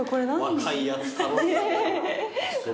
若いやつ頼んで。